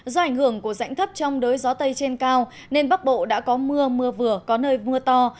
do ảnh hưởng của rãnh thấp trong đới gió tây trên cao nên bắc bộ đã có mưa mưa vừa có nơi mưa to